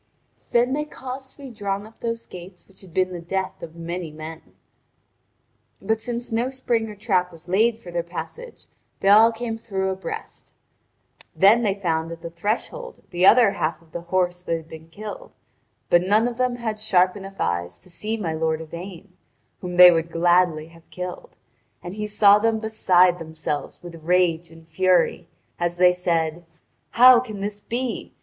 Then they caused to be drawn up those gates which had been the death of many men. But since no spring or trap was laid for their passage they all came through abreast. Then they found at the threshold the other half of the horse that had been killed; but none of them had sharp enough eyes to see my lord Yvain, whom they would gladly have killed; and he saw them beside themselves with rage and fury, as they said: "How can this be?